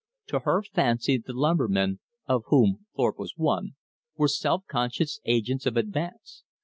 To her fancy the lumbermen, of whom Thorpe was one, were self conscious agents of advance.